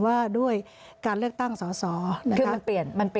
ว่าด้วยการเลือกตั้งสอนะคะ